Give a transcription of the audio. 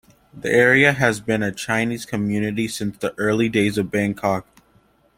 The area has been a Chinese community since the early days of Bangkok.